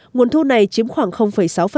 nguồn thu này chiếm khoảng sáu